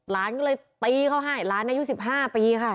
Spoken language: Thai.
หลานก็เลยตีเขาให้หลานอายุ๑๕ปีค่ะ